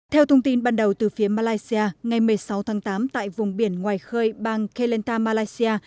theo thông tin ban đầu từ phía malaysia ngày một mươi sáu tháng tám tại vùng biển ngoài khơi bang kelantar malaysia